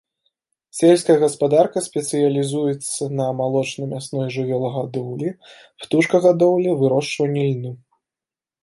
Сельская гаспадарка спецыялізуецца на малочна-мясной жывёлагадоўлі, птушкагадоўлі, вырошчванні льну.